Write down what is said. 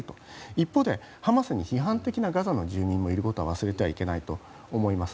一方でハマスに批判的な住民がいることも忘れてはいけないと思います。